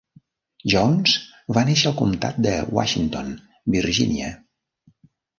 Jones va néixer al comtat de Washington, Virgínia.